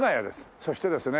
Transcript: そしてですね